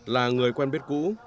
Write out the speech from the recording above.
là người quen biết cũ